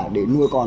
để nuôi con